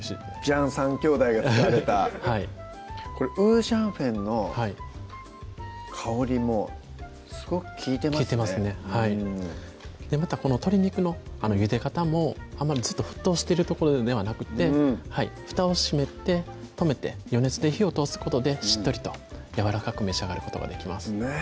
ジャン３兄弟が使われたこれ五香粉の香りもすごく利いてますね利いてますねまたこの鶏肉のゆで方もあまりずっと沸騰してるところではなくてふたを閉めて止めて余熱で火を通すことでしっとりとやわらかく召し上がることができます